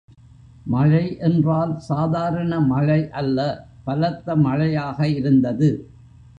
மழை என்றால் சாதாரண மழை அல்ல பலத்த மழையாக இருந்தது.